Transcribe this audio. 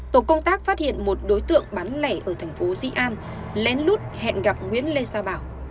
tổ công tác phát hiện một đối tượng bán lẻ ở thành phố dĩ an lén lút hẹn gặp nguyễn lê gia bảo